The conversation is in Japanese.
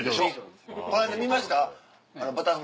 見ました？